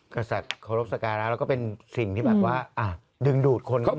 กษัตริย์เคารพสการะแล้วก็เป็นสิ่งที่แบบว่าดึงดูดคนเข้ามา